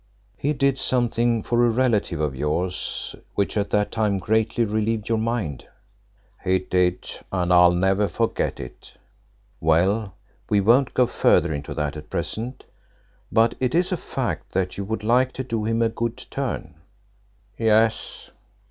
"He did something for a relative of yours which at that time greatly relieved your mind?" "He did, and I'll never forget it." "Well, we won't go further into that at present. But it is a fact that you would like to do him a good turn?" "Yes."